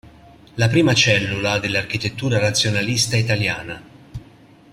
La prima cellula dell'architettura razionalista italiana".